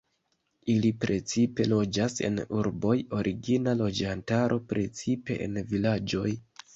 Ili precipe loĝas en urboj, origina loĝantaro precipe en vilaĝoj.